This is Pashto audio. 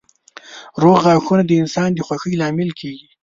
روغ غاښونه د انسان د خوښۍ لامل کېږي.